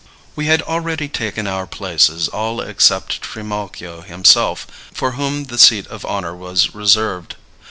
_ We had already taken our places, all except Trimalchio himself, for whom the seat of honor was reserved.